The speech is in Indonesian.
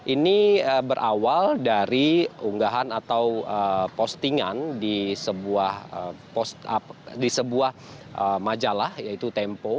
ini berawal dari unggahan atau postingan di sebuah majalah yaitu tempo